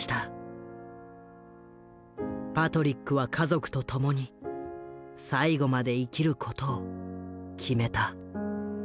パトリックは家族と共に最後まで生きることを決めた。